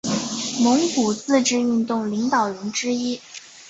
蒙古自治运动领导人之一。